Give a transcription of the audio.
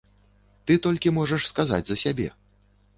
Ты толькі можаш сказаць за сябе.